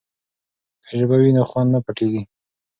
که ژبه وي نو خوند نه پټیږي.